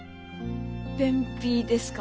便秘ですか？